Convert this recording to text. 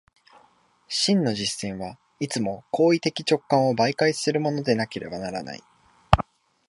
真の実践はいつも行為的直観を媒介するものでなければならない。